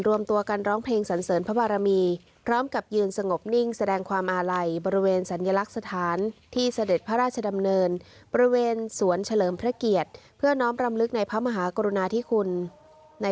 ร่วมตัวกันร้องเพลงสันเสริมพระบารมี